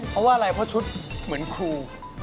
เพราะว่าอะไรเพราะชุดเหมือนครู